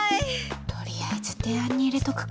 とりあえず提案に入れとくか。